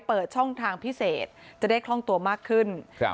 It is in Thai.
เปิดช่องทางพิเศษจะได้คล่องตัวมากขึ้น